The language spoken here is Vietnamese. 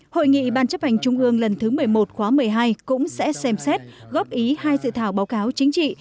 hội nghị ban chấp hành trung ương lần thứ một mươi một khóa một mươi hai cũng sẽ xem xét góp ý hai dự thảo báo cáo chính trị